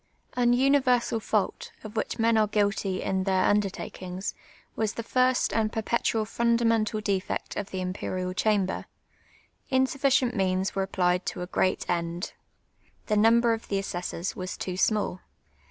An universal fault, of which men are guilty in their under takings, was the first and per])etual fundamental defect of the Imj)erial (Ihamlx^r : insufficient means were ap])lied to a p^eat end. TIk, number of the assessors was too small.